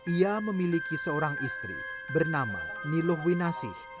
ia memiliki seorang istri bernama niluh winasih